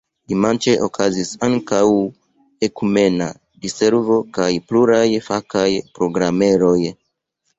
Dimanĉe okazis ankaŭ ekumena diservo kaj pluraj fakaj programeroj.